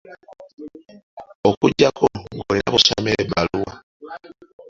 Okuggyako ng'olina b'osomera ebbaluwa.